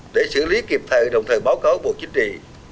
để xử lý kịp thời đồng thời báo cáo bộ chính trị